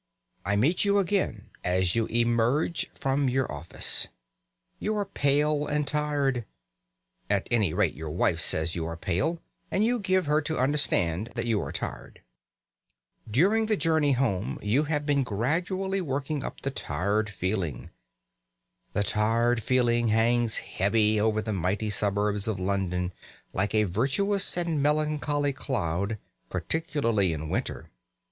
I meet you again as you emerge from your office. You are pale and tired. At any rate, your wife says you are pale, and you give her to understand that you are tired. During the journey home you have been gradually working up the tired feeling. The tired feeling hangs heavy over the mighty suburbs of London like a virtuous and melancholy cloud, particularly in winter.